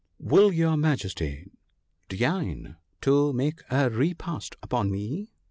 " Will your Majesty deign to make a repast upon me